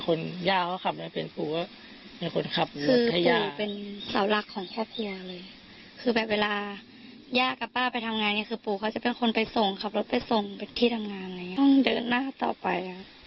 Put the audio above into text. ควรดีแล้วหน้ามาตายไงพี่